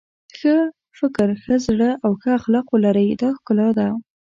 ښه فکر ښه زړه او ښه اخلاق ولرئ دا ښکلا ده.